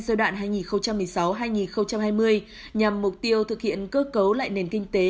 giai đoạn hai nghìn một mươi sáu hai nghìn hai mươi nhằm mục tiêu thực hiện cơ cấu lại nền kinh tế